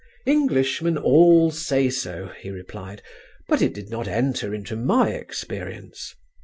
"Englishmen all say so," he replied, "but it did not enter into my experience.